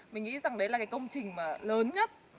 mình nghĩ rằng đấy là cái công trình mà lớn nhất